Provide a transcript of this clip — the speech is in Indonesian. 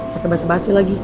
pake basi basi lagi